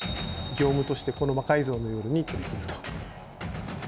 業務としてこの「魔改造の夜」に取り組むと。